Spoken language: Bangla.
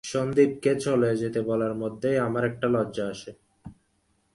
সন্দীপকে চলে যেতে বলার মধ্যে আমার একটা লজ্জা আসে।